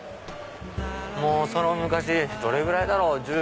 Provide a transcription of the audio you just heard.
もうその昔どれぐらいだろう？